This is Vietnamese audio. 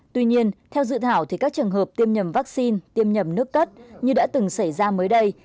tuy nhiên theo dự thảo các trường hợp tiêm nhầm vaccine tiêm nhầm nước cắt như đã từng xảy ra mới đây